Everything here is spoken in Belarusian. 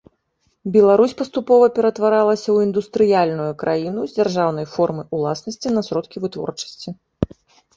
Беларусь паступова ператваралася ў індустрыяльную краіну з дзяржаўнай формай уласнасці на сродкі вытворчасці.